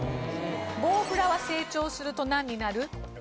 「ぼうふらは成長すると何になる？」。